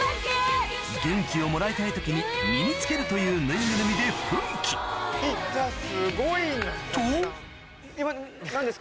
元気をもらいたい時に身に着けるというぬいぐるみで・すごい・と！